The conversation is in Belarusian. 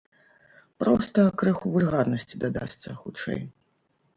Проста крыху вульгарнасці дадасца, хутчэй.